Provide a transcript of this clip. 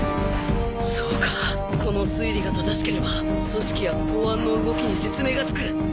そうかこの推理が正しければ「組織」や公安の動きに説明がつく